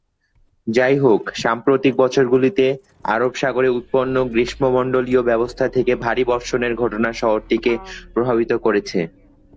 যাইহোক, সাম্প্রতিক বছরগুলিতে, আরব সাগরে উৎপন্ন গ্রীষ্মমণ্ডলীয় ব্যবস্থা থেকে ভারী বর্ষণের ঘটনা শহরটিকে প্রভাবিত করেছে।